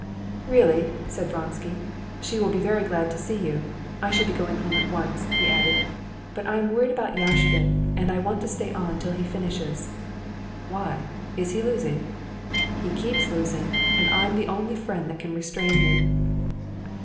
"Really?" said Vronsky. "She will be very glad to see you. I should be going home at once," he added, "but I'm worried about Yashvin, and I want to stay on till he finishes." "Why, is he losing?" "He keeps losing, and I'm the only friend that can restrain him."